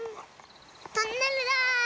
トンネルだ！